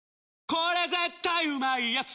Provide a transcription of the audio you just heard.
これ絶対うまいやつ」